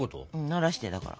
ならしてだから。